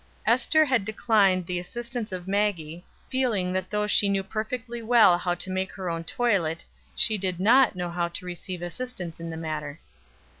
Ester had declined the assistance of Maggie feeling that though she knew perfectly well how to make her own toilet, she did not know how to receive assistance in the matter.